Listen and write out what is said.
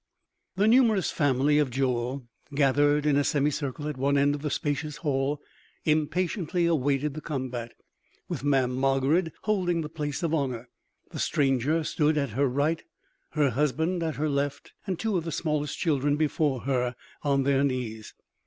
The numerous family of Joel, gathered in a semi circle at one end of the spacious hall, impatiently awaited the combat, with Mamm' Margarid holding the place of honor. The stranger stood at her right, her husband at her left, and two of the smallest children before her on their knees.